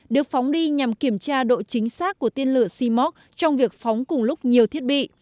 được phóng đi nhằm kiểm tra độ chính xác của tên lửa shimok trong việc phóng cùng lúc nhiều thiết bị